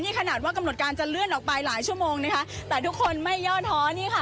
นี่ขนาดว่ากำหนดการจะเลื่อนออกไปหลายชั่วโมงนะคะแต่ทุกคนไม่ย่อท้อนี่ค่ะ